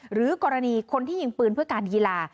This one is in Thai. หรือกรณีคนที่ยิงปืนเพื่อการกีฬา